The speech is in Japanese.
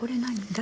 誰？